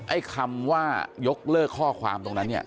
ไอ้คำว่ายกเลิกข้อความตรงนั้นเนี่ย